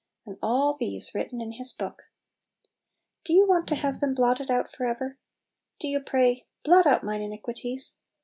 And all these written in His book ! Do you want to have them blotted out forever? Do you pray, "Blot out mine iniquities?"